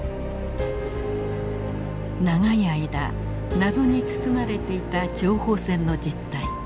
長い間謎に包まれていた情報戦の実態。